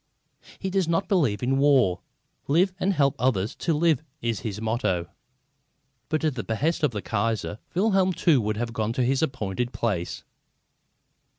He does not believe in war. Live and help others to live is his motto. But at the behest of the Kaiser, Wilhelm too would have gone to his appointed place.